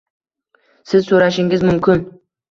Siz so‘rashingiz mumkin: